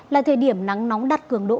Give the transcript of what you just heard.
là thời điểm nắng nóng đặt cường độ